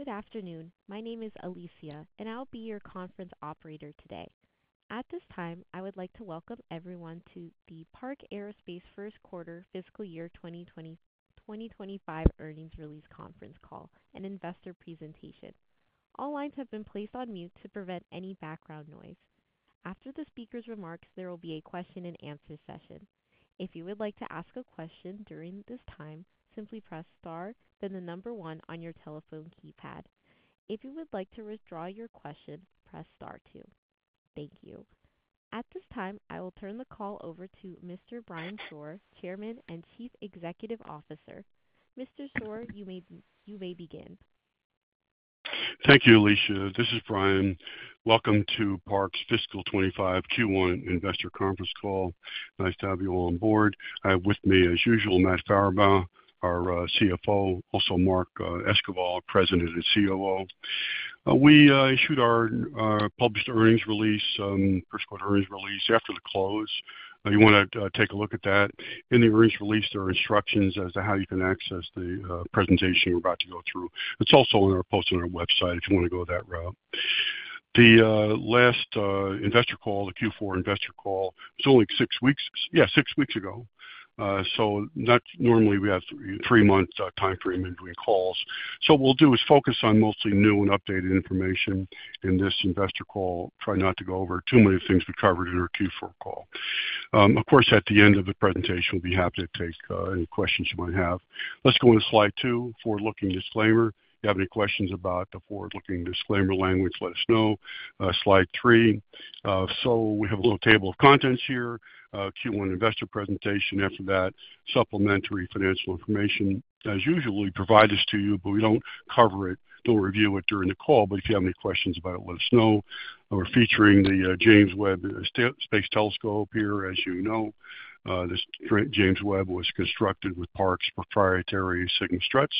Hello, good afternoon. My name is Alicia, and I'll be your conference operator today. At this time, I would like to welcome everyone to the Park Aerospace first quarter fiscal year 2025 earnings release conference call and investor presentation. All lines have been placed on mute to prevent any background noise. After the speaker's remarks, there will be a question and answer session. If you would like to ask a question during this time, simply press Star, then the number one on your telephone keypad. If you would like to withdraw your question, press Star two. Thank you. At this time, I will turn the call over to Mr. Brian Shore, Chairman and Chief Executive Officer. Mr. Shore, you may begin. Thank you, Alicia. This is Brian. Welcome to Park's Fiscal 2025 Q1 Investor Conference Call. Nice to have you all on board. I have with me, as usual, Matt Farabaugh, our CFO, also Mark Esquivel, President and COO. We issued our published earnings release, first quarter earnings release after the close. You want to take a look at that. In the earnings release, there are instructions as to how you can access the presentation we're about to go through. It's also posted on our website, if you want to go that route. The last investor call, the Q4 investor call, was only six weeks. Yeah, six weeks ago. So not normally we have three months time frame in between calls. So what we'll do is focus on mostly new and updated information in this investor call. Try not to go over too many things we covered in our Q4 call. Of course, at the end of the presentation, we'll be happy to take any questions you might have. Let's go on to slide two. Forward-looking disclaimer. If you have any questions about the forward-looking disclaimer language, let us know. Slide three. So we have a little table of contents here. Q1 investor presentation. After that, supplementary financial information. As usual, we provide this to you, but we don't cover it, don't review it during the call. But if you have any questions about it, let us know. We're featuring the James Webb Space Telescope here. As you know, this James Webb was constructed with Park's proprietary Sigma Struts,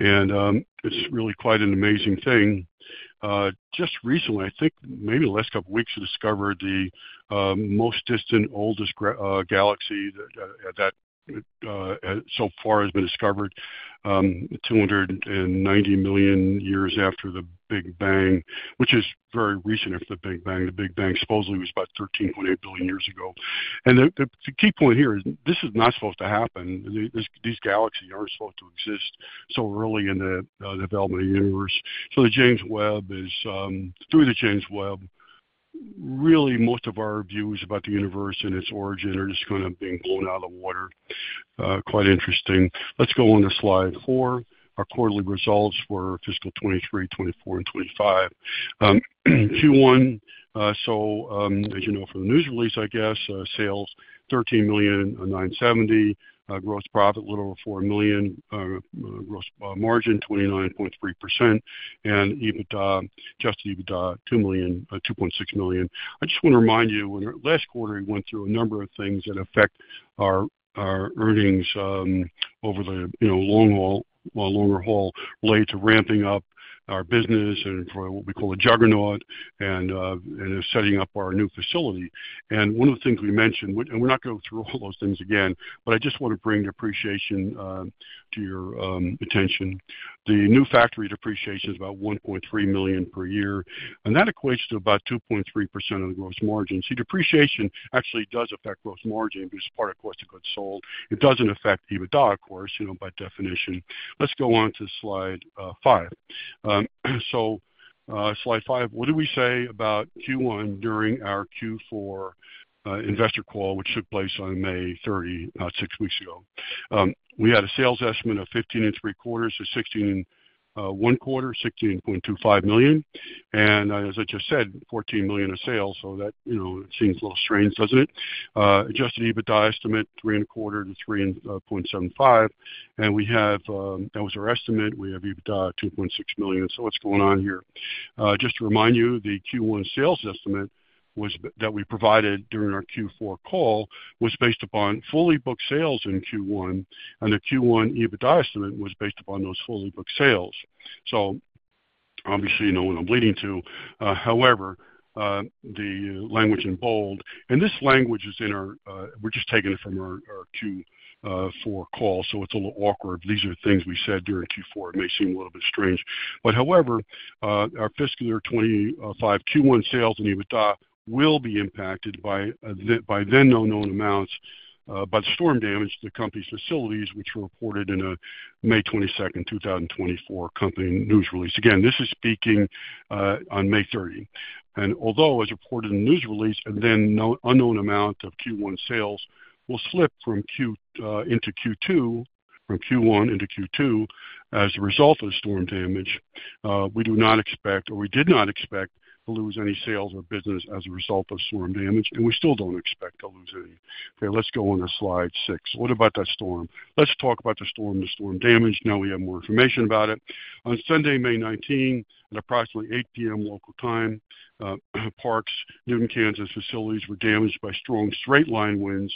and it's really quite an amazing thing. Just recently, I think maybe the last couple of weeks, discovered the most distant, oldest galaxy that so far has been discovered, 290 million years after the Big Bang, which is very recent after the Big Bang. The Big Bang supposedly was about 13.8 billion years ago. The key point here is this is not supposed to happen. These galaxies aren't supposed to exist so early in the development of the universe. So the James Webb is, through the James Webb, really most of our views about the universe and its origin are just kind of being blown out of the water. Quite interesting. Let's go on to slide four. Our quarterly results for fiscal 2023, 2024, and 2025. Q1. So, as you know from the news release, I guess, sales $13.97 million. Gross profit, a little over $4 million. Gross margin 29.3%. And EBITDA, Adjusted EBITDA, $2 million, $2.6 million. I just want to remind you, when last quarter, we went through a number of things that affect our, our earnings, over the, you know, long haul, longer haul, related to ramping up our business and for what we call a Juggernaut and, and setting up our new facility. And one of the things we mentioned, and we're not going to go through all those things again, but I just want to bring appreciation, to your, attention. The new factory depreciation is about $1.3 million per year, and that equates to about 2.3% of the gross margin. See, depreciation actually does affect gross margin because part of cost of goods sold. It doesn't affect EBITDA, of course, you know, by definition. Let's go on to slide five. So, slide five. What did we say about Q1 during our Q4 investor call, which took place on May 30, six weeks ago? We had a sales estimate of $15.75 million to $16.25 million. And as I just said, $14 million of sales. So that, you know, seems a little strange, doesn't it? Adjusted EBITDA estimate, $3.25 million to $3.75 million, and we have, that was our estimate. We have EBITDA $2.6 million. So what's going on here? Just to remind you, the Q1 sales estimate was, that we provided during our Q4 call was based upon fully booked sales in Q1, and the Q1 EBITDA estimate was based upon those fully booked sales. So obviously, you know, what I'm leading to. However, the language in bold and this language is in our, we're just taking it from our, our Q4 call, so it's a little awkward. These are things we said during Q4. It may seem a little bit strange, but however, our fiscal year 2025 Q1 sales and EBITDA will be impacted by the, by then no known amounts, by the storm damage to the company's facilities, which were reported in a May 22, 2024 company news release. Again, this is speaking, on May 30, and although as reported in the news release, an unknown amount of Q1 sales will slip from Q1 into Q2 as a result of the storm damage, we do not expect, or we did not expect to lose any sales or business as a result of storm damage, and we still don't expect to lose any. Okay, let's go on to slide 6. What about that storm? Let's talk about the storm, the storm damage. Now we have more information about it. On Sunday, May 19, at approximately 8:00 P.M. local time, Park's Newton, Kansas, facilities were damaged by strong straight-line winds,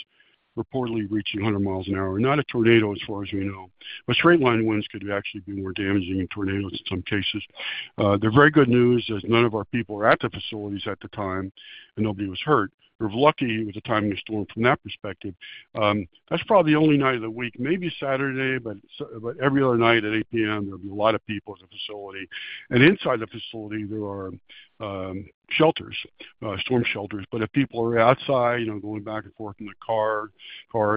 reportedly reaching 100 miles an hour. Not a tornado, as far as we know, but straight-line winds could actually be more damaging than tornadoes in some cases. The very good news is none of our people were at the facilities at the time, and nobody was hurt. We were lucky with the timing of the storm from that perspective. That's probably the only night of the week, maybe Saturday, but every other night at 8:00 P.M., there'll be a lot of people at the facility. And inside the facility, there are shelters, storm shelters. But if people are outside, you know, going back and forth in the cars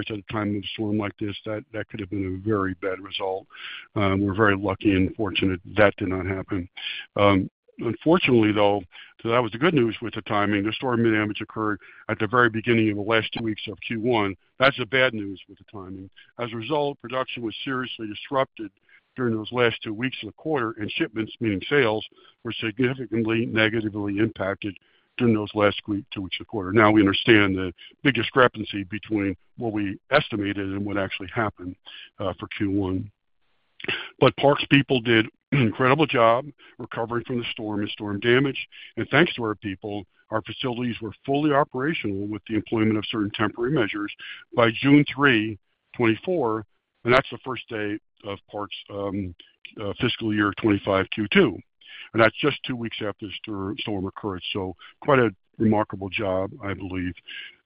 at the time of the storm like this, that could have been a very bad result. We're very lucky and fortunate that did not happen. Unfortunately, though, so that was the good news with the timing. The storm damage occurred at the very beginning of the last two weeks of Q1. That's the bad news with the timing. As a result, production was seriously disrupted during those last two weeks of the quarter, and shipments, meaning sales, were significantly negatively impacted during those last week, two weeks of the quarter. Now, we understand the big discrepancy between what we estimated and what actually happened, for Q1. But Park's people did an incredible job recovering from the storm and storm damage, and thanks to our people, our facilities were fully operational, with the employment of certain temporary measures, by June 3, 2024, and that's the first day of Park's fiscal year 25, Q2. And that's just two weeks after the storm occurred. So quite a remarkable job, I believe,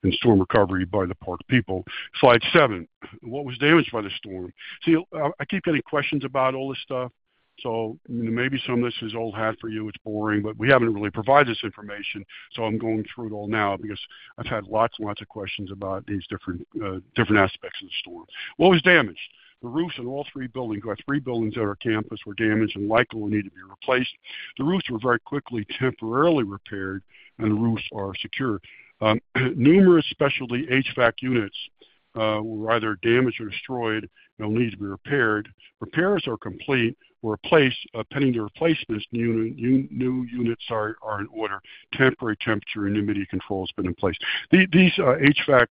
in storm recovery by the Park people. Slide seven. What was damaged by the storm? See, I keep getting questions about all this stuff, so maybe some of this is old hat for you, it's boring, but we haven't really provided this information, so I'm going through it all now because I've had lots and lots of questions about these different aspects of the storm. What was damaged? The roofs in all three buildings. We've got three buildings at our campus were damaged and likely will need to be replaced. The roofs were very quickly temporarily repaired, and the roofs are secure. Numerous specialty HVAC units were either damaged or destroyed and will need to be repaired. Repairs are complete or replaced. Pending the replacements, new units are in order. Temporary temperature and humidity control has been in place. These HVAC units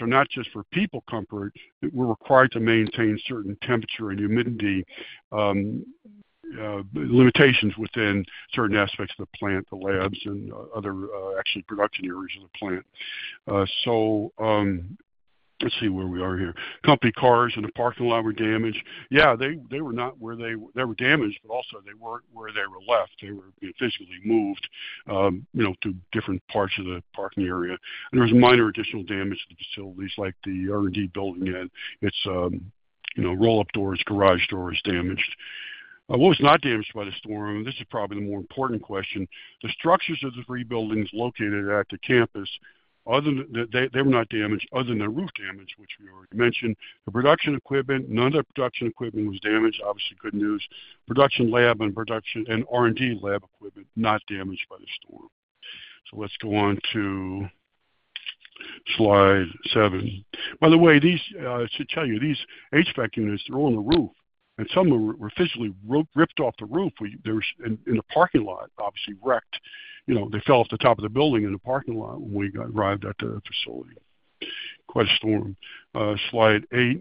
are not just for people comfort, but we're required to maintain certain temperature and humidity limitations within certain aspects of the plant, the labs and other actually production areas of the plant. So, let's see where we are here. Company cars in the parking lot were damaged. Yeah, they, they were not where they were damaged, but also they weren't where they were left. They were physically moved, you know, to different parts of the parking area. And there was minor additional damage to the facilities, like the R&D building and its, you know, roll-up doors, garage door is damaged. What was not damaged by the storm? This is probably the more important question. The structures of the three buildings located at the campus, other than... They were not damaged other than the roof damage, which we already mentioned. The production equipment, none of the production equipment was damaged. Obviously, good news. Production lab and production and R&D lab equipment, not damaged by the storm. So let's go on to slide seven. By the way, I should tell you, these HVAC units, they're all on the roof, and some of them were physically ripped off the roof. They were in the parking lot, obviously wrecked. You know, they fell off the top of the building in the parking lot when we got arrived at the facility. Quite a storm. Slide eight.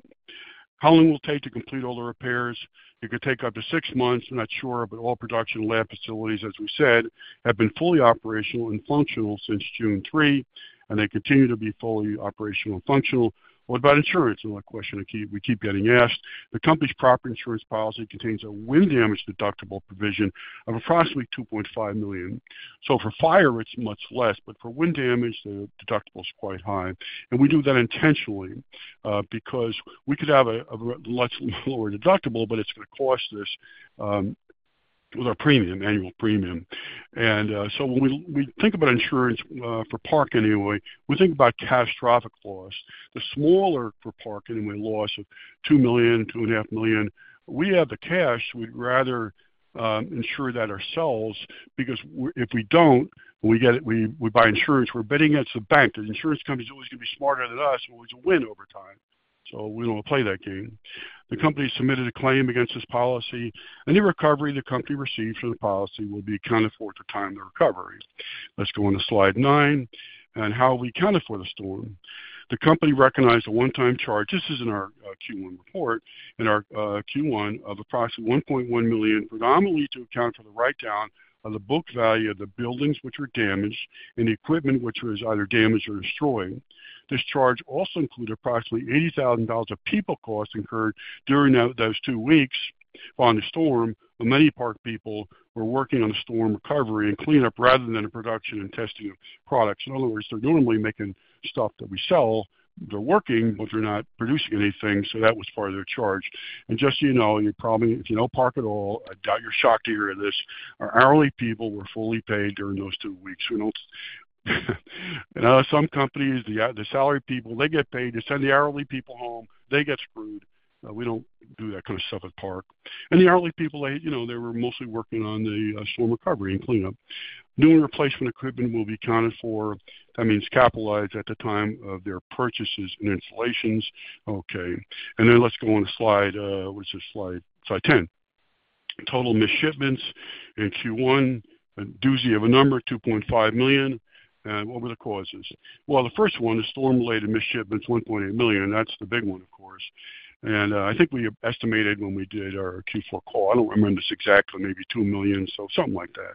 How long will it take to complete all the repairs? It could take up to six months. I'm not sure, but all production lab facilities, as we said, have been fully operational and functional since June 3, and they continue to be fully operational and functional. What about insurance? Another question I keep, we keep getting asked. The company's property insurance policy contains a wind damage deductible provision of approximately $2.5 million. So for fire, it's much less, but for wind damage, the deductible is quite high. And we do that intentionally, because we could have a much lower deductible, but it's going to cost us with our premium, annual premium. So when we think about insurance for Park anyway, we think about catastrophic loss. The smaller for Park, anyway, loss of $2 million, $2.5 million, we have the cash. We'd rather insure that ourselves, because if we don't, we get it, we buy insurance. We're betting against the bank. The insurance company's always going to be smarter than us, and we'll always win over time. So we don't play that game. The company submitted a claim against this policy. Any recovery the company receives from the policy will be accounted for at the time of the recovery. Let's go on to slide nine. How we accounted for the storm. The company recognized a one-time charge. This is in our Q1 report, in our Q1 of approximately $1.1 million, predominantly to account for the write-down of the book value of the buildings, which were damaged, and the equipment, which was either damaged or destroyed. This charge also included approximately $80,000 of people costs incurred during those two weeks on the storm. But many Park people were working on the storm recovery and cleanup rather than the production and testing of products. In other words, they're normally making stuff that we sell. They're working, but they're not producing anything, so that was part of their charge. And just so you know, you probably, if you know Park at all, I doubt you're shocked to hear this. Our hourly people were fully paid during those two weeks. We don't. I know some companies, the salaried people, they get paid to send the hourly people home. They get screwed. We don't do that kind of stuff at Park. And the hourly people, they, you know, they were mostly working on the storm recovery and cleanup. New and replacement equipment will be accounted for. That means capitalized at the time of their purchases and installations. Okay, and then let's go on to slide ten. Total missed shipments in Q1, a doozy of a number, $2.5 million. And what were the causes? Well, the first one is storm-related missed shipments, $1.8 million. That's the big one, of course. And I think we estimated when we did our Q4 call. I don't remember this exactly, maybe $2 million, so something like that.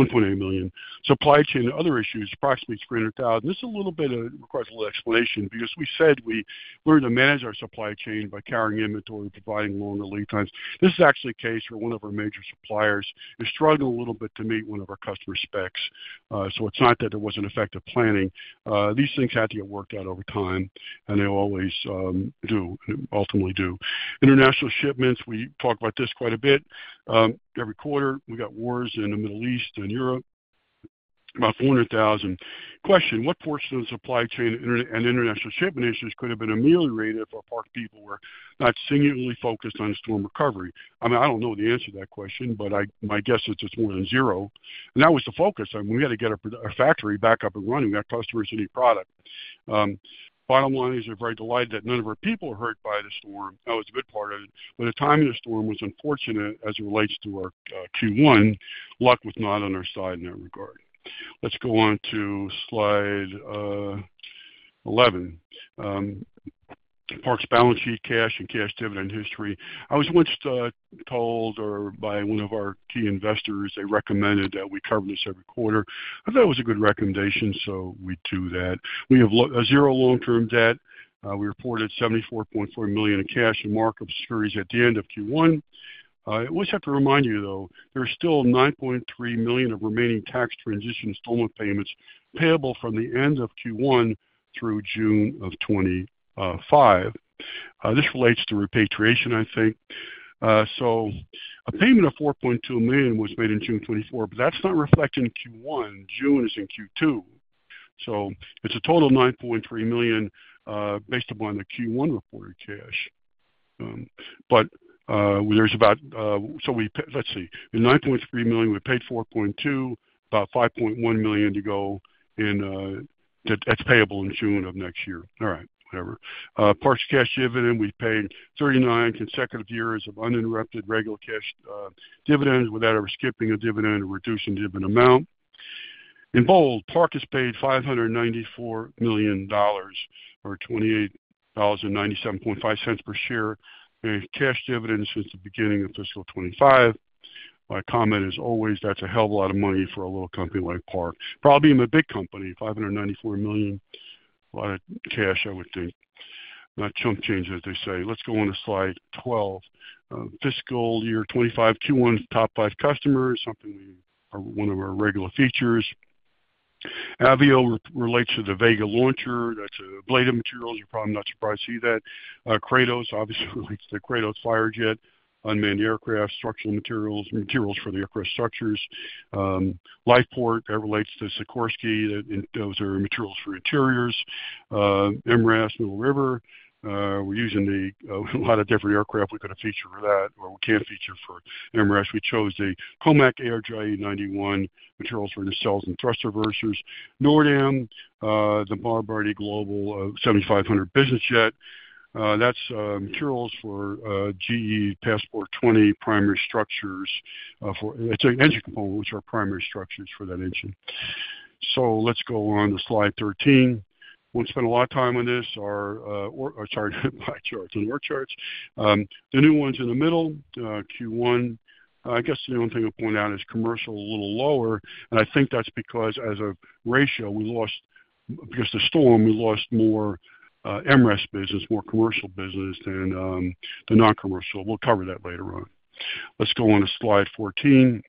$1.8 million. Supply chain and other issues, approximately $300 thousand. This a little bit requires a little explanation because we said we learned to manage our supply chain by carrying inventory, providing longer lead times. This is actually a case where one of our major suppliers is struggling a little bit to meet one of our customer specs. So it's not that there wasn't effective planning. These things had to get worked out over time, and they always do, ultimately do. International shipments, we talk about this quite a bit every quarter. We got wars in the Middle East and Europe, about 400,000. Question: What portion of the supply chain and inter- and international shipment issues could have been ameliorated if our Park people were not singularly focused on storm recovery? I mean, I don't know the answer to that question, but my guess is it's more than zero. And that was the focus. I mean, we had to get our factory back up and running. Our customers need product. Bottom line is, we're very delighted that none of our people were hurt by the storm. That was the good part of it, but the timing of the storm was unfortunate as it relates to our Q1. Luck was not on our side in that regard. Let's go on to slide 11. Park's balance sheet, cash, and cash dividend history. I was once told by one of our key investors; they recommended that we cover this every quarter. I thought it was a good recommendation, so we do that. We have zero long-term debt. We reported $74.4 million in cash and market securities at the end of Q1. I always have to remind you, though, there's still $9.3 million of remaining tax transition installment payments payable from the end of Q1 through June 2025. This relates to repatriation, I think. So a payment of $4.2 million was made in June 2024, but that's not reflected in Q1. June is in Q2, so it's a total of $9.3 million based upon the Q1 reported cash. But there's about... So let's see, in $9.3 million, we paid $4.2 million, about $5.1 million to go, and that's payable in June of next year. All right, whatever. Park's cash dividend, we've paid 39 consecutive years of uninterrupted regular cash dividends without ever skipping a dividend or reducing dividend amount. In bold, Park has paid $594 million, or $280.975 per share in cash dividends since the beginning of fiscal 2025. My comment is always, that's a hell of a lot of money for a little company like Park. Probably even a big company. $594 million, a lot of cash, I would think. Not chump change, as they say. Let's go on to slide 12. Fiscal year 2025, Q1 top five customers, something we, one of our regular features. Avio relates to the Vega launcher. That's ablative materials. You're probably not surprised to see that. Kratos obviously relates to Kratos' Firejet, unmanned aircraft, structural materials, materials for the aircraft structures. LifePort, that relates to Sikorsky. That, and those are materials for interiors. MRAS, Middle River, we're using the a lot of different aircraft. We've got a feature for that, or we can't feature for MRAS. We chose the COMAC ARJ21 materials for nacelles and thrust reversers. NORDAM, the Bombardier Global 7500 business jet. That's materials for GE Passport 20 primary structures. It's engine components or primary structures for that engine. So let's go on to slide 13. Won't spend a lot of time on this. Our, or, sorry, my charts and our charts. The new ones in the middle, Q1. I guess the only thing I'll point out is commercial a little lower, and I think that's because, as a ratio, we lost, because the storm, we lost more MRAS business, more commercial business than the non-commercial. We'll cover that later on. Let's go on to slide 14.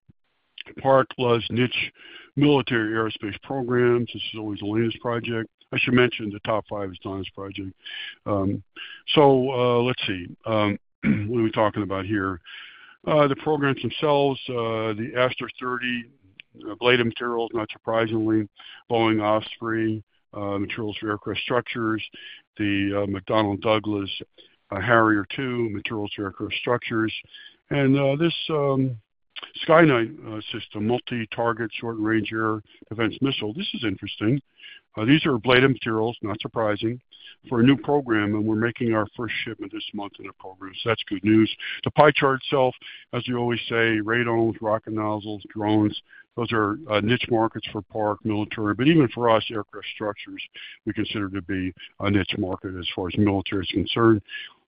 Park's niche military aerospace programs. This is always the latest project. I should mention, the top five is not on this project. Let's see, what are we talking about here? The programs themselves, the Aster 30, ablative materials, not surprisingly, Boeing Osprey, materials for aircraft structures, the McDonnell Douglas Harrier II, materials for aircraft structures, and this SkyKnight system, multi-target, short-range air defense missile. This is interesting. These are ablative materials, not surprising, for a new program, and we're making our first shipment this month in the program, so that's good news. The pie chart itself, as we always say, radomes, rocket nozzles, drones, those are niche markets for Park's military, but even for us, aircraft structures, we consider to be a niche market as far as military is concerned.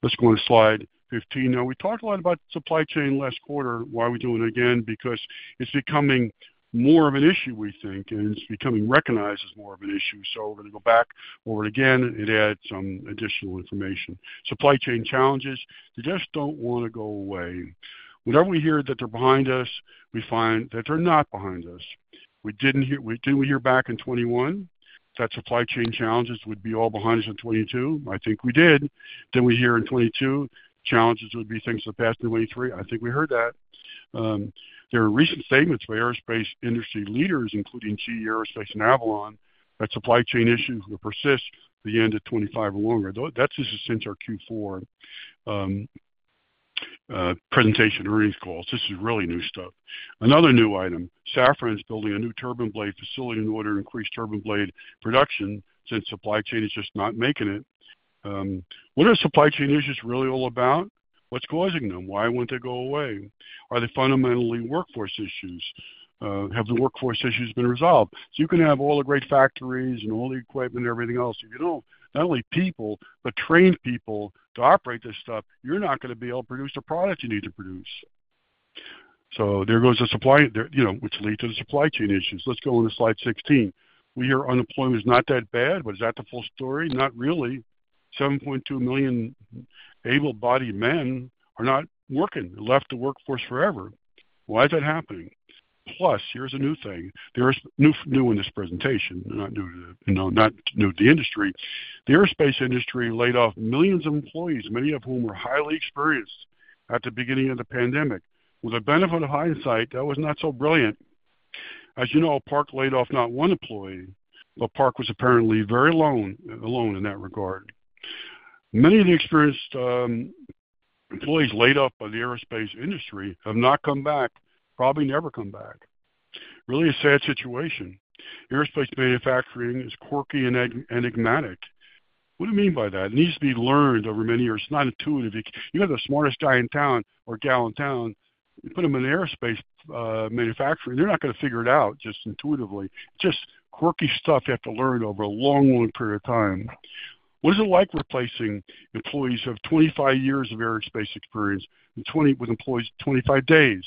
Let's go to slide 15. Now, we talked a lot about supply chain last quarter. Why are we doing it again? Because it's becoming more of an issue, we think, and it's becoming recognized as more of an issue. So we're gonna go back over it again and add some additional information. Supply chain challenges, they just don't want to go away. Whenever we hear that they're behind us, we find that they're not behind us. Didn't we hear back in 2021 that supply chain challenges would be all behind us in 2022? I think we did. Then we hear in 2022, challenges would be things of the past in 2023. I think we heard that. There are recent statements by aerospace industry leaders, including GE Aerospace and Avolon, that supply chain issues will persist to the end of 2025 or longer. Though, that's just since our Q4 presentation earnings calls. This is really new stuff. Another new item, Safran is building a new turbine blade facility in order to increase turbine blade production since supply chain is just not making it. What are supply chain issues really all about? What's causing them? Why won't they go away? Are they fundamentally workforce issues? Have the workforce issues been resolved? So you can have all the great factories and all the equipment and everything else, if you don't have not only people, but trained people to operate this stuff, you're not gonna be able to produce the products you need to produce. So there goes the supply, there, you know, which lead to the supply chain issues. Let's go on to slide 16. We hear unemployment is not that bad, but is that the full story? Not really. 7.2 million able-bodied men are not working, left the workforce forever. Why is that happening? Plus, here's a new thing. There is new, new in this presentation, not new to, you know, not new to the industry. The aerospace industry laid off millions of employees, many of whom were highly experienced, at the beginning of the pandemic. With the benefit of hindsight, that was not so brilliant. As you know, Park laid off not one employee, but Park was apparently very alone, alone in that regard. Many of the experienced employees laid off by the aerospace industry have not come back, probably never come back. Really a sad situation. Aerospace manufacturing is quirky and enigmatic. What do you mean by that? It needs to be learned over many years. It's not intuitive. You have the smartest guy in town or gal in town, you put them in aerospace, manufacturing, they're not going to figure it out just intuitively. Just quirky stuff you have to learn over a long, long period of time. What is it like replacing employees who have 25 years of aerospace experience and twenty- with employees of 25 days?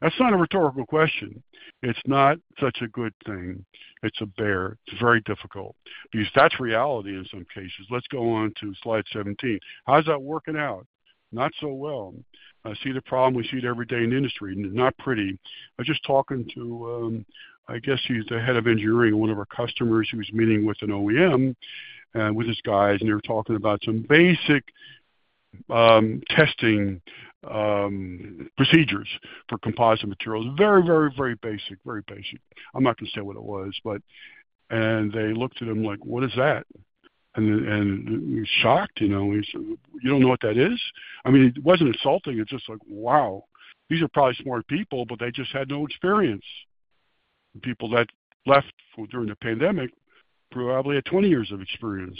That's not a rhetorical question. It's not such a good thing. It's a bear. It's very difficult because that's reality in some cases. Let's go on to slide 17. How's that working out? Not so well. I see the problem. We see it every day in the industry, and it's not pretty. I was just talking to, I guess he's the head of engineering at one of our customers, who was meeting with an OEM, with his guys, and they were talking about some basic, testing, procedures for composite materials. Very, very, very basic. Very basic. I'm not going to say what it was, but... And they looked at him like, "What is that?" And he was shocked, you know, "You don't know what that is?" I mean, it wasn't insulting. It's just like, wow, these are probably smart people, but they just had no experience. People that left during the pandemic probably had 20 years of experience.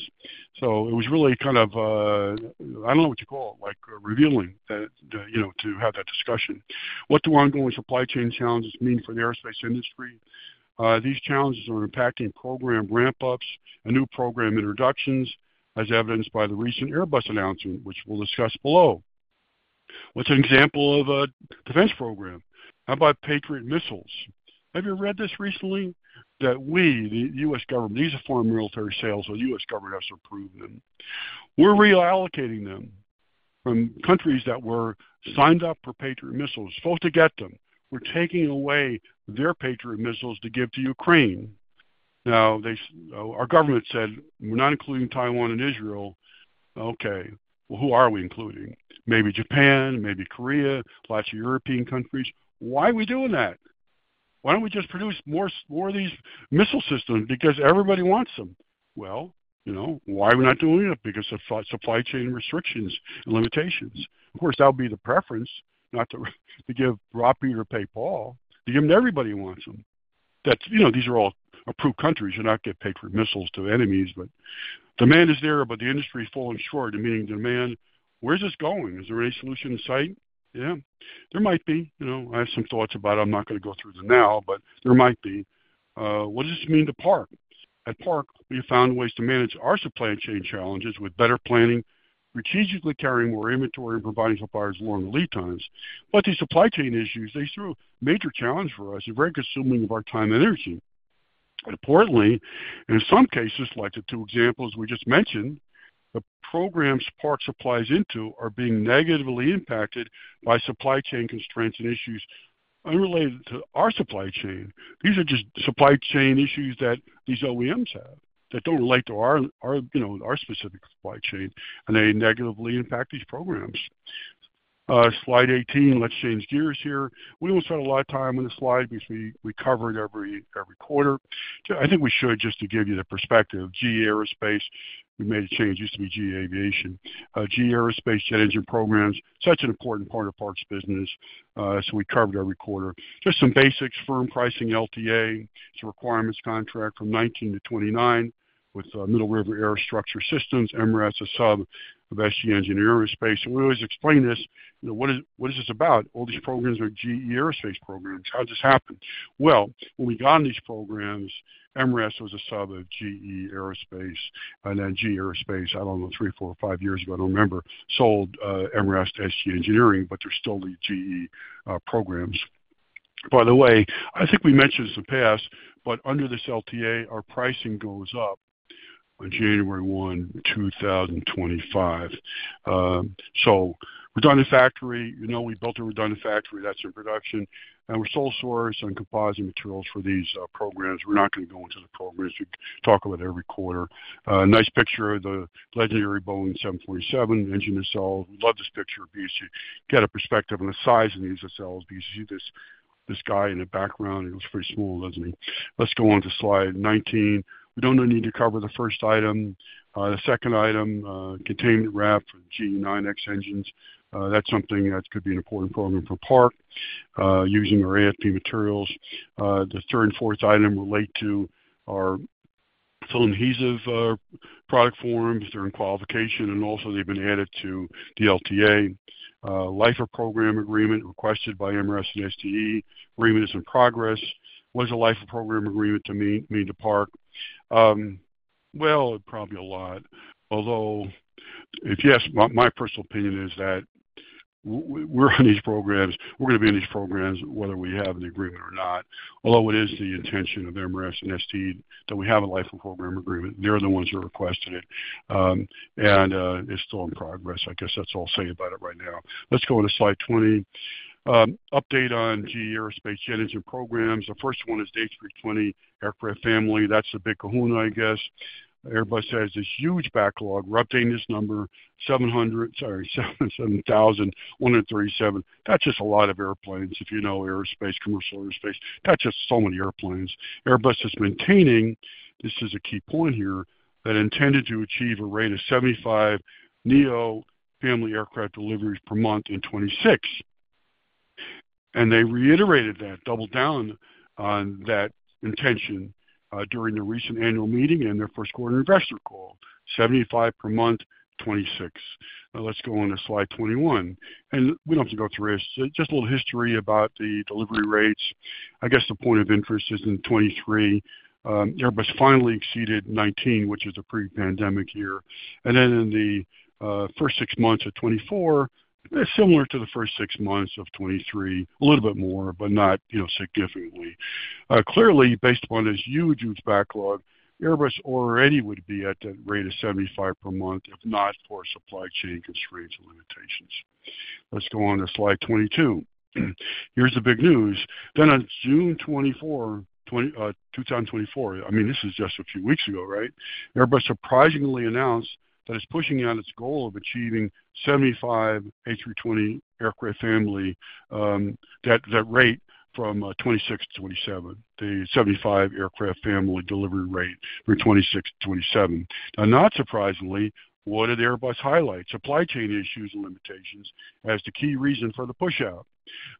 So it was really kind of, I don't know what to call it, like, revealing that, you know, to have that discussion. What do ongoing supply chain challenges mean for the aerospace industry? These challenges are impacting program ramp-ups and new program introductions, as evidenced by the recent Airbus announcement, which we'll discuss below. What's an example of a defense program? How about Patriot missiles? Have you read this recently that we, the U.S. government, these are foreign military sales, the U.S. government has to approve them. We're reallocating them from countries that were signed up for Patriot missiles, supposed to get them. We're taking away their Patriot missiles to give to Ukraine. Now, they said our government said, "We're not including Taiwan and Israel." Okay, well, who are we including? Maybe Japan, maybe Korea, lots of European countries. Why are we doing that? Why don't we just produce more, more of these missile systems? Because everybody wants them. Well, you know, why are we not doing it? Because of supply chain restrictions and limitations. Of course, that would be the preference, not to rob Peter to pay Paul, to give them to everybody who wants them. That's... You know, these are all approved countries. You're not giving Patriot missiles to enemies, but demand is there, but the industry is falling short of meeting demand. Where's this going? Is there any solution in sight? Yeah, there might be. You know, I have some thoughts about it. I'm not going to go through them now, but there might be. What does this mean to Park? At Park, we have found ways to manage our supply chain challenges with better planning, strategically carrying more inventory, and providing suppliers longer lead times. But these supply chain issues, they threw a major challenge for us and very consuming of our time and energy. Importantly, in some cases, like the two examples we just mentioned, the programs Park supplies into are being negatively impacted by supply chain constraints and issues unrelated to our supply chain. These are just supply chain issues that these OEMs have that don't relate to our, you know, our specific supply chain, and they negatively impact these programs. Slide 18. Let's change gears here. We don't spend a lot of time on this slide because we cover it every quarter. I think we should, just to give you the perspective. GE Aerospace, we made a change. It used to be GE Aviation. GE Aerospace jet engine programs, such an important part of Park's business, so we cover it every quarter. Just some basics, firm pricing LTA. It's a requirements contract from 2019 to 2029 with Middle River Aerostructure Systems. MRAS, a sub of ST Engineering. We always explain this, you know, what is, what is this about? All these programs are GE Aerospace programs. How did this happen? Well, when we got these programs, MRAS was a sub of GE Aerospace, and then GE Aerospace, I don't know, 3, 4, 5 years ago, I don't remember, sold MRAS to ST Engineering, but they're still the GE programs. By the way, I think we mentioned this in the past, but under this LTA, our pricing goes up on January 1, 2025. So redundant factory, you know, we built a redundant factory that's in production, and we're sole source on composite materials for these programs. We're not going to go into the programs. We talk about it every quarter. Nice picture of the legendary Boeing 747 engine nacelle. Love this picture because you get a perspective on the size of these nacelles because you see this, this guy in the background, he looks pretty small, doesn't he? Let's go on to slide 19. We don't need to cover the first item. The second item, containment wrap for GE9X engines. That's something that could be an important program for Park, using our AFP materials. The third and fourth item relate to our film adhesive, product forms during qualification, and also they've been added to the LTA. Life-of-program agreement requested by MRAS and ST Engineering. Agreement is in progress. What does a life-of-program agreement mean to Park? Well, probably a lot, although-... If yes, my personal opinion is that we're on these programs. We're gonna be in these programs whether we have an agreement or not, although it is the intention of MRAS and ST that we have a life and program agreement. They're the ones who requested it, and it's still in progress. I guess that's all I'll say about it right now. Let's go on to slide 20. Update on GE Aerospace engine programs. The first one is the A320 aircraft family. That's the Big Kahuna, I guess. Airbus has this huge backlog. We're updating this number, 7,137. That's just a lot of airplanes. If you know aerospace, commercial aerospace, that's just so many airplanes. Airbus is maintaining, this is a key point here, that intended to achieve a rate of 75 neo-family aircraft deliveries per month in 2026. They reiterated that, doubled down on that intention during their recent annual meeting and their first quarter investor call, 75 per month, 26. Let's go on to slide 21. We don't have to go through this. Just a little history about the delivery rates. I guess the point of interest is in 2023, Airbus finally exceeded 19, which is a pre-pandemic year, and then in the first six months of 2024, similar to the first six months of 2023, a little bit more, but not, you know, significantly. Clearly, based upon this huge, huge backlog, Airbus already would be at that rate of 75 per month, if not for supply chain constraints and limitations. Let's go on to slide 22. Here's the big news. On June 24, 2024, I mean, this is just a few weeks ago, right? Airbus surprisingly announced that it's pushing on its goal of achieving 75 A320 aircraft family, that rate from 26 to 27, the 75 aircraft family delivery rate for 26 to 27. Now, not surprisingly, what did Airbus highlight? Supply chain issues and limitations as the key reason for the pushout.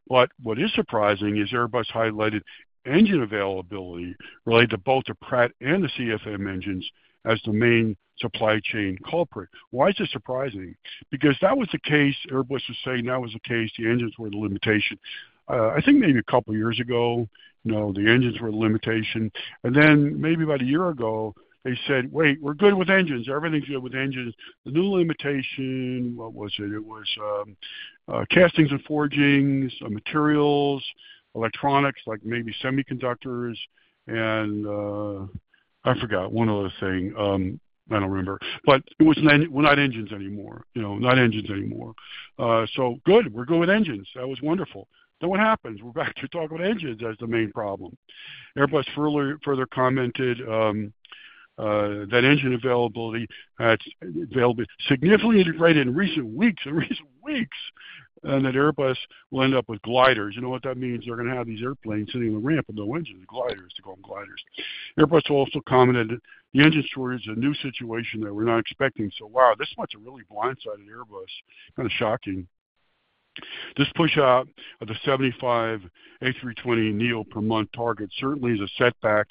But what is surprising is Airbus highlighted engine availability related to both the Pratt and the CFM engines as the main supply chain culprit. Why is this surprising? Because that was the case, Airbus was saying that was the case, the engines were the limitation. I think maybe a couple of years ago, you know, the engines were the limitation, and then maybe about a year ago, they said: Wait, we're good with engines. Everything's good with engines. The new limitation, what was it? It was castings and forgings, materials, electronics, like maybe semiconductors, and I forgot one other thing. I don't remember, but it was not, well, not engines anymore. You know, not engines anymore. So good, we're good with engines. That was wonderful. Then what happens? We're back to talking about engines as the main problem. Airbus further commented that engine availability that's available significantly integrated in recent weeks, in recent weeks, and that Airbus will end up with gliders. You know what that means? They're gonna have these airplanes sitting on the ramp with no engines. Gliders, they call them gliders. Airbus also commented the engine shortage is a new situation that we're not expecting. So wow, this one's a really blindsided Airbus. Kinda shocking. This push out of the 75 A320neo per month target certainly is a setback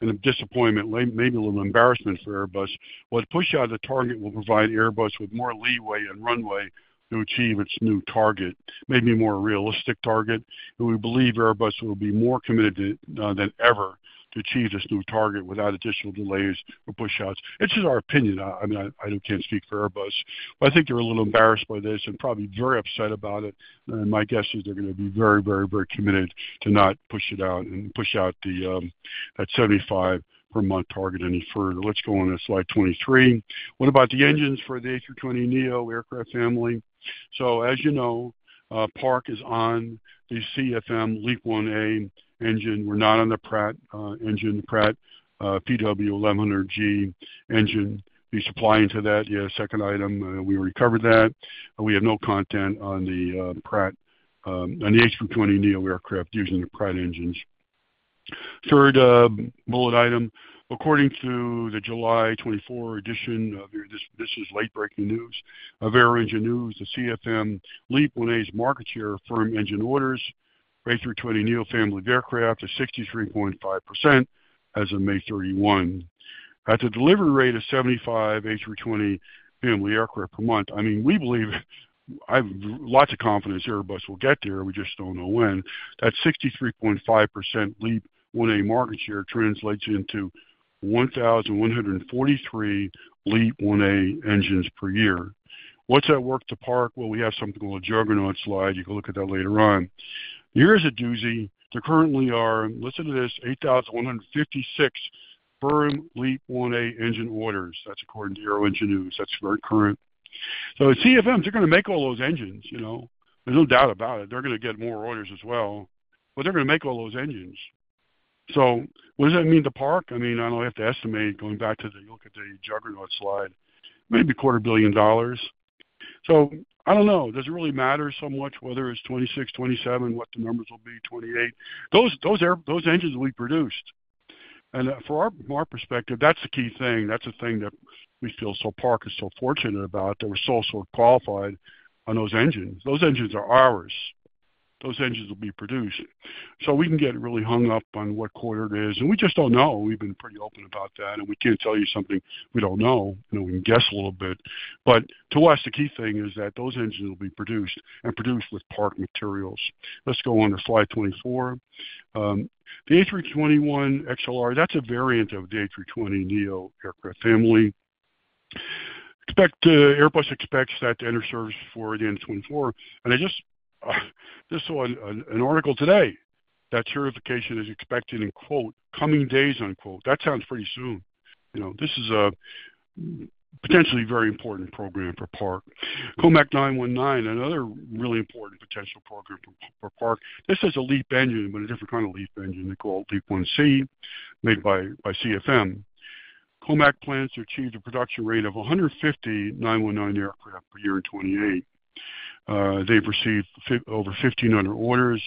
and a disappointment, maybe a little embarrassment for Airbus. But push out of the target will provide Airbus with more leeway and runway to achieve its new target, maybe more realistic target. And we believe Airbus will be more committed than ever to achieve this new target without additional delays or pushouts. It's just our opinion. I mean, I can't speak for Airbus, but I think they're a little embarrassed by this and probably very upset about it. And my guess is they're gonna be very, very, very committed to not push it out and push out the that 75 per month target any further. Let's go on to slide 23. What about the engines for the A320neo aircraft family? So as you know, Park is on the CFM LEAP-1A engine. We're not on the Pratt engine, Pratt PW1100G engine. Be supplying to that. Yeah, second item, we recovered that. We have no content on the Pratt, on the A320neo aircraft using the Pratt engines. Third, bullet item, according to the July 2024 edition of your. This is late-breaking news. Of Aero-Engine News, the CFM LEAP-1A market share firm engine orders, A320neo family of aircraft is 63.5% as of May 31. At a delivery rate of 75 A320 family aircraft per month, I mean, we believe, I have lots of confidence Airbus will get there. We just don't know when. That 63.5% LEAP-1A market share translates into 1,143 LEAP-1A engines per year. What's that worth to Park? Well, we have something called a juggernaut slide. You can look at that later on. Here is a doozy. There currently are, listen to this, 8,156 firm LEAP-1A engine orders. That's according to Aero-Engine News. That's very current. So at CFM, they're gonna make all those engines, you know, there's no doubt about it. They're gonna get more orders as well, but they're gonna make all those engines. So what does that mean to Park? I mean, I don't have to estimate going back to the—look at the juggernaut slide, maybe $250 million. So I don't know. Does it really matter so much whether it's 2026, 2027, what the numbers will be, 2028? Those, those air—those engines will be produced. And, for our, my perspective, that's the key thing. That's the thing that we feel so Park is so fortunate about, that we're so, so qualified on those engines. Those engines are ours. Those engines will be produced, so we can get really hung up on what quarter it is, and we just don't know. We've been pretty open about that, and we can't tell you something we don't know. You know, we can guess a little bit, but to us, the key thing is that those engines will be produced and produced with Park materials. Let's go on to slide 24. The A321XLR, that's a variant of the A320neo aircraft family. Expect, Airbus expects that to enter service for the end of 2024. And I just saw an article today that certification is expected in quote, coming days, unquote. That sounds pretty soon. You know, this is a potentially very important program for Park. COMAC C919, another really important potential program for Park. This is a LEAP engine, but a different kind of LEAP engine, they call LEAP-1C, made by CFM. COMAC plans to achieve a production rate of 150 C919 aircraft per year in 2028. They've received over 1,500 orders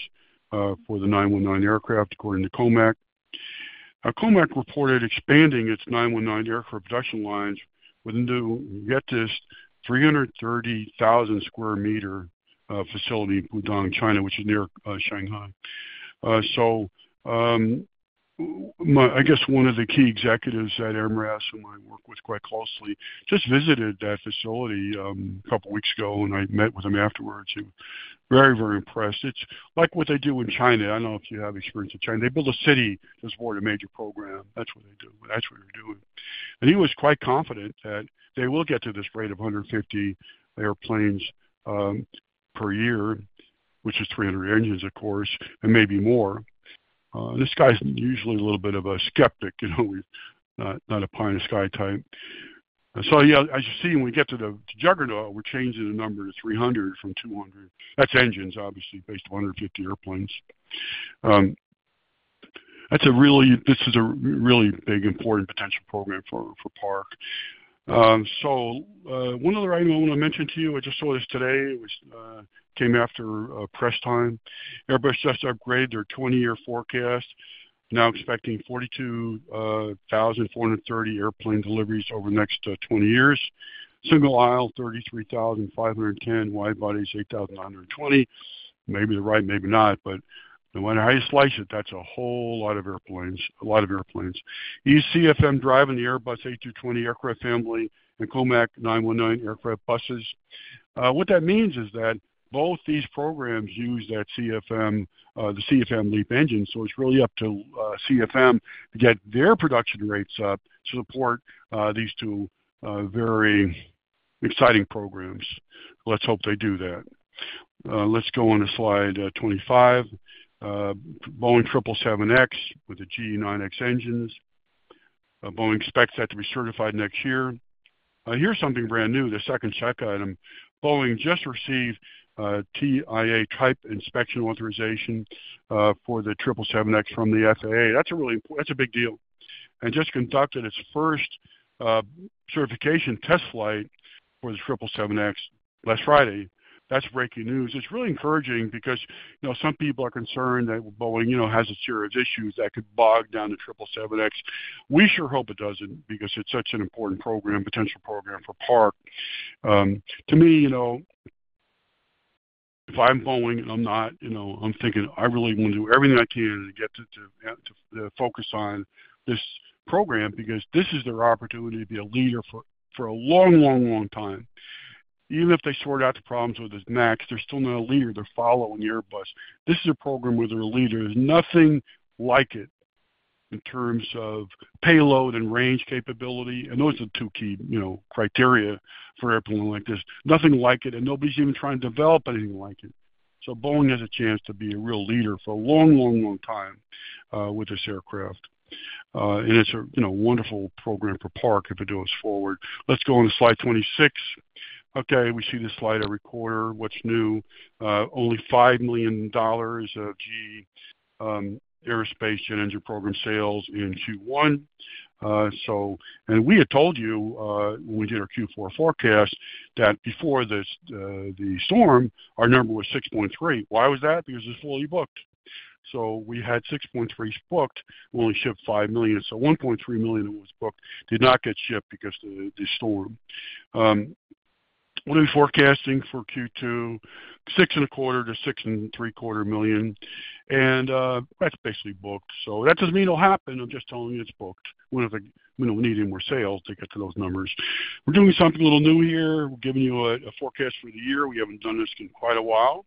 for the C919 aircraft, according to COMAC. COMAC reported expanding its C919 aircraft production lines within the, get this, 330,000-square-meter facility in Pudong, China, which is near Shanghai. So, I guess one of the key executives at MRAS, whom I work with quite closely, just visited that facility a couple weeks ago, and I met with him afterwards and very, very impressed. It's like what they do in China. I don't know if you have experience in China. They build a city to support a major program. That's what they do. That's what they're doing. And he was quite confident that they will get to this rate of 150 airplanes per year, which is 300 engines, of course, and maybe more. This guy's usually a little bit of a skeptic, you know, not, not a pie in the sky type. So, yeah, as you see, when we get to the juggernaut, we're changing the number to 300 from 200. That's engines, obviously, based on 150 airplanes. That's a really big important potential program for Park. So, one other item I want to mention to you, I just saw this today. It came after press time. Airbus just upgraded their 20-year forecast, now expecting 42,430 airplane deliveries over the next 20 years. Single aisle, 33,510, wide bodies, 8,920. Maybe they're right, maybe not, but no matter how you slice it, that's a whole lot of airplanes. A lot of airplanes. You see CFM driving the Airbus A220 aircraft family and COMAC C919 aircraft. What that means is that both these programs use that CFM, the CFM LEAP engine, so it's really up to, CFM to get their production rates up to support, these two, very exciting programs. Let's hope they do that. Let's go on to slide 25. Boeing 777X with the GE9X engines. Boeing expects that to be certified next year. Here's something brand new, the second check item. Boeing just received a TIA, Type Inspection Authorization, for the 777X from the FAA. That's a really that's a big deal. And just conducted its first, certification test flight for the 777X last Friday. That's breaking news. It's really encouraging because, you know, some people are concerned that Boeing, you know, has a series of issues that could bog down the 777X. We sure hope it doesn't because it's such an important program, potential program for Park. To me, you know, if I'm Boeing, and I'm not, you know, I'm thinking I really want to do everything I can to get to focus on this program, because this is their opportunity to be a leader for a long, long, long time. Even if they sort out the problems with this MAX, they're still not a leader. They're following the Airbus. This is a program where they're a leader. There's nothing like it in terms of payload and range capability, and those are the two key, you know, criteria for an airplane like this. Nothing like it, and nobody's even trying to develop anything like it. So Boeing has a chance to be a real leader for a long, long, long time with this aircraft. And it's a, you know, wonderful program for Park if it goes forward. Let's go on to slide 26. Okay, we see this slide every quarter. What's new? Only $5 million of GE Aerospace and Engine program sales in Q1. And we had told you, when we did our Q4 forecast, that before this, the storm, our number was $6.3 million. Why was that? Because it's fully booked. So we had $6.3 million booked, we only shipped $5 million. So $1.3 million that was booked did not get shipped because of the storm. We'll be forecasting for Q2, $6.25 million-$6.75 million, and that's basically booked. So that doesn't mean it'll happen. I'm just telling you it's booked. We don't have we don't need any more sales to get to those numbers. We're doing something a little new here. We're giving you a forecast for the year. We haven't done this in quite a while.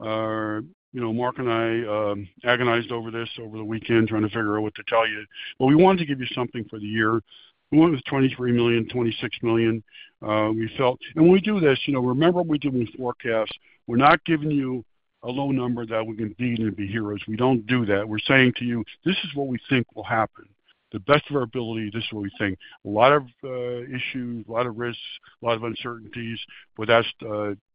You know, Mark and I agonized over this over the weekend, trying to figure out what to tell you, but we wanted to give you something for the year. We went with $23 million-$26 million. We felt and when we do this, you know, remember, when we're doing forecasts, we're not giving you a low number that we can beat and be heroes. We don't do that. We're saying to you, this is what we think will happen. The best of our ability, this is what we think. A lot of issues, a lot of risks, a lot of uncertainties, but that's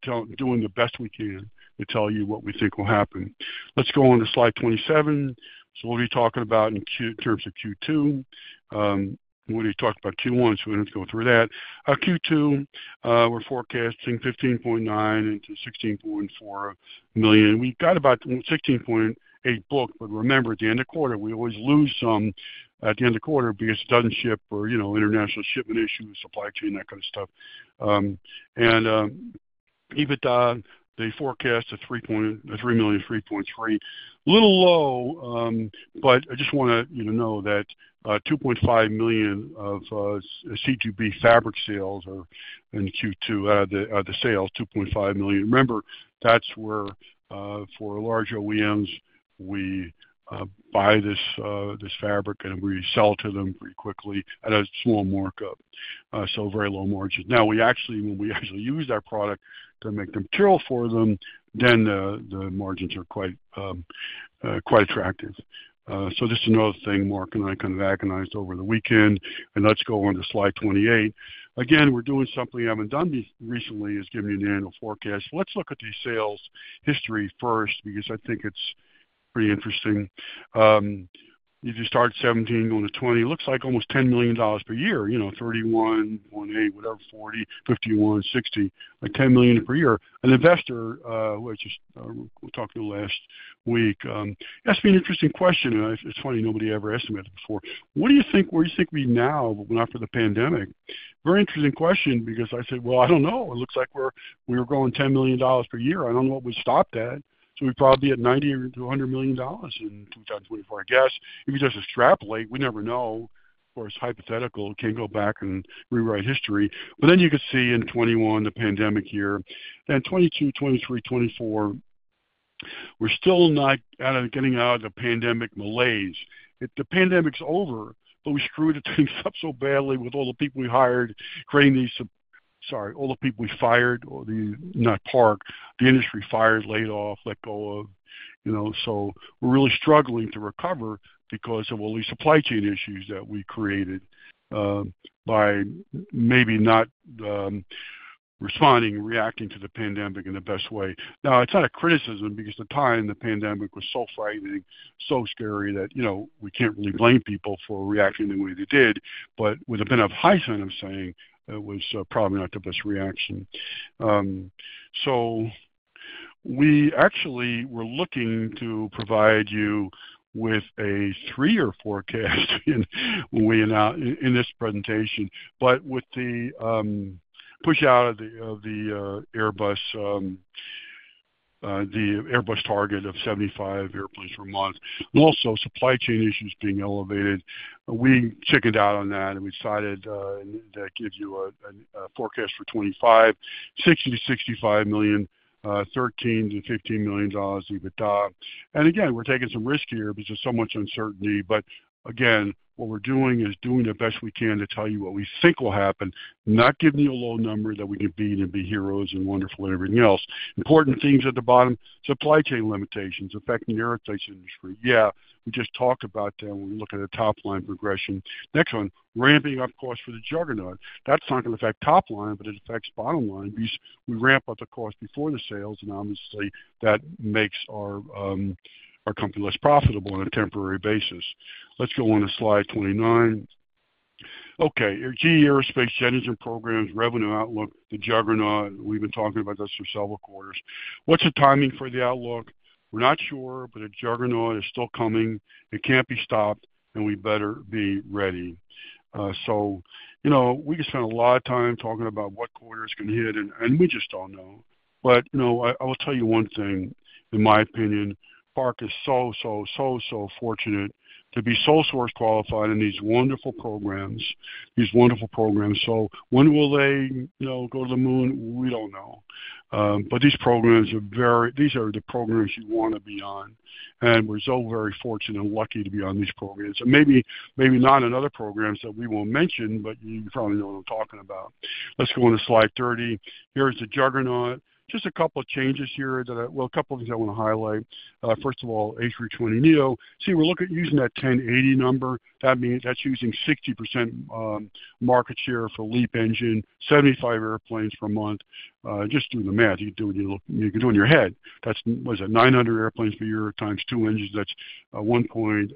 telling, doing the best we can to tell you what we think will happen. Let's go on to slide 27. So we'll be talking about in terms of Q2. We already talked about Q1, so we don't have to go through that. Q2, we're forecasting $15.9 million-$16.4 million. We've got about 16.8 booked, but remember, at the end of quarter, we always lose some at the end of quarter because it doesn't ship or, you know, international shipment issues, supply chain, that kind of stuff. EBITDA, they forecast a $3 million, $3.3. A little low, but I just want to, you know, know that, $2.5 million of C2B fabric sales are in Q2. The sales, $2.5 million. Remember, that's where, for large OEMs, we, buy this, this fabric, and we sell it to them pretty quickly at a small markup. So very low margin. Now, we actually, when we actually use our product to make material for them, then the margins are quite, quite attractive. So just another thing Mark and I kind of agonized over the weekend. And let's go on to slide 28. Again, we're doing something we haven't done recently, is giving you an annual forecast. Let's look at the sales history first, because I think it's pretty interesting. If you start 2017 going to '20, it looks like almost $10 million per year, you know, 31.8, whatever, 40, 51, 60, like $10 million per year. An investor, which is, we talked to last week, asked me an interesting question, and it's funny, nobody ever estimated it before. "What do you think, where do you think we be now after the pandemic?" Very interesting question, because I said, "Well, I don't know. It looks like we're, we were growing $10 million per year. I don't know what we stopped at, so we'd probably be at $90-$100 million in 2024. I guess if you just extrapolate, we never know, or it's hypothetical. Can't go back and rewrite history." But then you can see in 2021, the pandemic year, and 2022, 2023, 2024, we're still not out of getting out of the pandemic malaise. The pandemic's over, but we screwed the things up so badly with all the people we hired, creating these... Sorry, all the people we fired, or not Park, the industry fired, laid off, let go of, you know, so we're really struggling to recover because of all these supply chain issues that we created by maybe not responding, reacting to the pandemic in the best way. Now, it's not a criticism because at the time, the pandemic was so frightening, so scary that, you know, we can't really blame people for reacting the way they did. But with the benefit of hindsight, I'm saying it was probably not the best reaction. So we actually were looking to provide you with a three year forecast in this presentation. But with the push out of the Airbus target of 75 airplanes per month, and also supply chain issues being elevated, we chickened out on that and we decided that gives you a forecast for 25, $60-$65 million, $13-$15 million EBITDA. And again, we're taking some risk here because there's so much uncertainty. But again, what we're doing is doing the best we can to tell you what we think will happen, not giving you a low number that we can beat and be heroes and wonderful and everything else. Important things at the bottom: supply chain limitations affecting the aerospace industry. Yeah, we just talked about that when we look at a top-line progression. Next one, ramping up costs for the Juggernaut. That's not going to affect top line, but it affects bottom line because we ramp up the cost before the sales, and obviously, that makes our, our company less profitable on a temporary basis. Let's go on to slide 29. Okay, our key aerospace engines and programs, revenue outlook, the Juggernaut. We've been talking about this for several quarters. What's the timing for the outlook? We're not sure, but a Juggernaut is still coming. It can't be stopped, and we better be ready. So, you know, we could spend a lot of time talking about what quarter it's going to hit, and we just don't know. But, you know, I, I will tell you one thing, in my opinion, Park is so, so, so, so fortunate to be sole source qualified in these wonderful programs, these wonderful programs. So when will they, you know, go to the moon? We don't know. But these programs are very, these are the programs you want to be on, and we're so very fortunate and lucky to be on these programs. So maybe, maybe not in other programs that we won't mention, but you probably know what I'm talking about. Let's go on to slide 30. Here's the Juggernaut. Just a couple of changes here that I... Well, a couple of things I want to highlight. First of all, A320neo. See, we're looking at using that 1,080 number. That means that's using 60% market share for LEAP engine, 75 airplanes per month. Just do the math. You do it, you look, you can do in your head. That's, what is it? 900 airplanes per year times 2 engines, that's 1,800x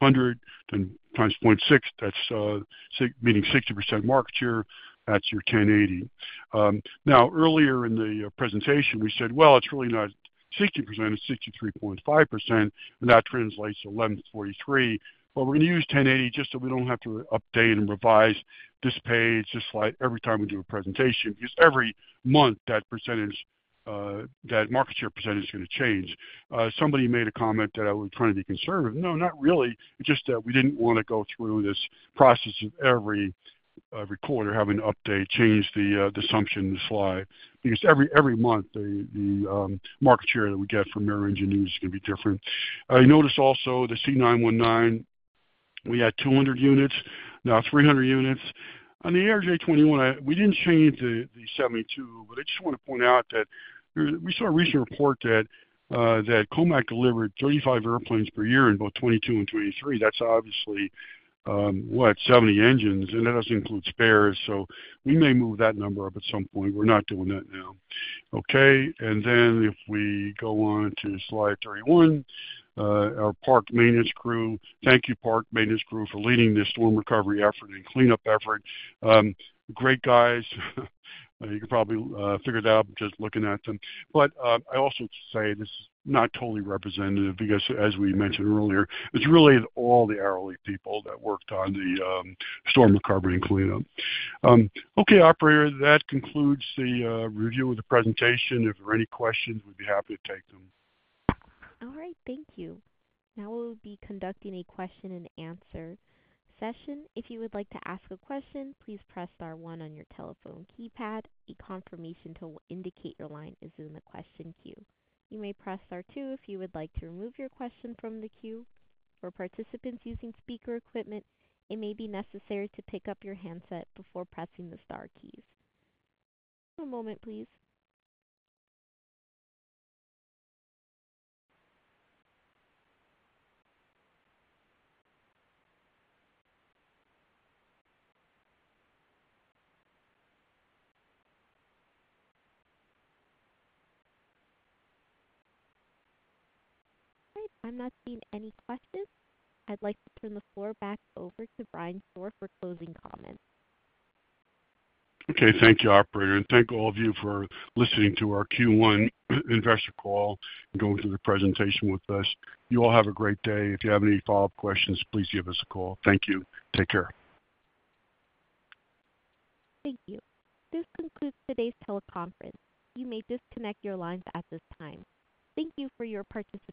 0.6. That's 1,080—meaning 60% market share. That's your 1,080. Now, earlier in the presentation, we said, "Well, it's really not 60%, it's 63.5%, and that translates to 1,140-1,143." But we're gonna use 1,080 just so we don't have to update and revise this page, this slide, every time we do a presentation, because every month, that percentage, that market share percentage is gonna change. Somebody made a comment that I was trying to be conservative. No, not really. It's just that we didn't want to go through this process of every quarter having to update, change the assumption in the slide, because every month, the market share that we get from Aero Engine News is gonna be different. You notice also the C919, we had 200 units, now 300 units. On the ARJ21, we didn't change the 72, but I just want to point out that we saw a recent report that COMAC delivered 35 airplanes per year in both 2022 and 2023. That's obviously 70 engines, and that doesn't include spares, so we may move that number up at some point. We're not doing that now. Okay, and then if we go on to slide 31, our Park maintenance crew. Thank you, Park maintenance crew, for leading this storm recovery effort and cleanup effort. Great guys. You can probably figure it out just looking at them. But I also should say this is not totally representative because, as we mentioned earlier, it's really all the hourly people that worked on the storm recovery and cleanup. Okay, operator, that concludes the review of the presentation. If there are any questions, we'd be happy to take them. All right. Thank you. Now we'll be conducting a question and answer session. If you would like to ask a question, please press star one on your telephone keypad. A confirmation tone will indicate your line is in the question queue. You may press star two if you would like to remove your question from the queue. For participants using speaker equipment, it may be necessary to pick up your handset before pressing the star keys. A moment, please. All right, I'm not seeing any questions. I'd like to turn the floor back over to Brian Shore for closing comments. Okay, thank you, operator, and thank all of you for listening to our Q1 investor call and going through the presentation with us. You all have a great day. If you have any follow-up questions, please give us a call. Thank you. Take care. Thank you. This concludes today's teleconference. You may disconnect your lines at this time. Thank you for your participation.